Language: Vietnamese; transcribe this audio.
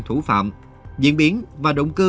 thủ phạm diễn biến và động cơ